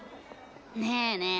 ねえねえ